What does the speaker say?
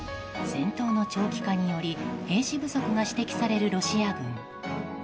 戦闘の長期化により兵士不足が指摘されるロシア軍。